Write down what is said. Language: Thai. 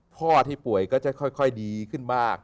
พ่อที่ป่วยก็จะค่อยดีขึ้นมาก